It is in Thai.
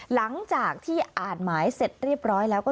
หลังจากที่อ่านหมายเสร็จเรียบร้อยแล้วก็